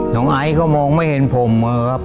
น้องไอก็มองไม่เห็นผมครับ